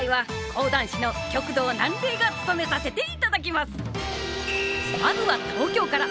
まずは東京から。